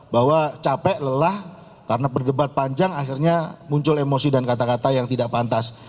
bahwa capek lelah karena berdebat panjang akhirnya muncul emosi dan kata kata yang tidak pantas